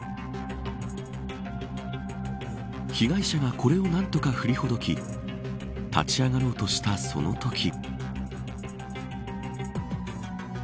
被害者がこれを何とか振りほどき立ち上がろうとしたそのとき。